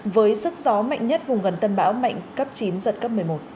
với sức gió mạnh nhất vùng gần tâm bão mạnh cấp chín giật cấp một mươi một